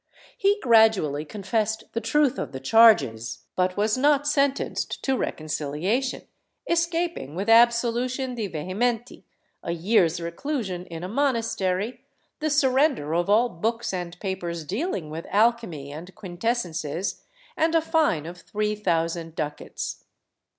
He gradually confessed the truth of the charges, but was not sentenced to reconciliation, escaping with absolution de vehementi, a year's reclusion in a monastery, the surrender of all books and papers dealing with alchemy and quintessences, and a fine of three thousand ducats.